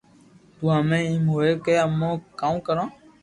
تو ھمي ايم ھوئي ڪو امو ڪوم ڪرو